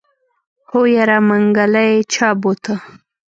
هو يره منګلی چا بوته.